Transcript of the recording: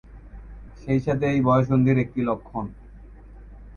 সেই সাথে এই বয়ঃসন্ধির একটি লক্ষণ।